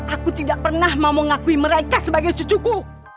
aku tidak pernah mau ngakui mereka sebagai cucuku